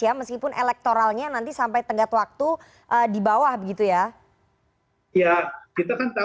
ya meskipun elektoral nya nanti sampai tenggak waktu di bawah begitu ya ya kita akan menunjukan